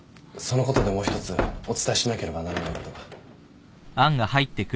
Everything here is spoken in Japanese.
そのことでもう一つお伝えしなければならないことが。